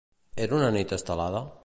Era una nit estelada?